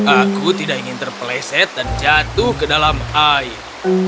aku tidak ingin terpeleset dan jatuh ke dalam air